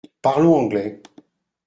Parlons anglais.